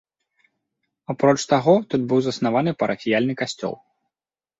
Апроч таго, тут быў заснаваны парафіяльны касцёл.